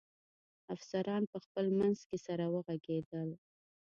افسران په خپل منځ کې سره و غږېدل.